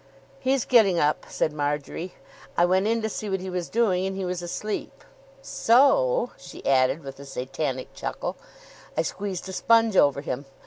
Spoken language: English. "He's getting up," said Marjory. "I went in to see what he was doing, and he was asleep. So," she added with a satanic chuckle, "I squeezed a sponge over him.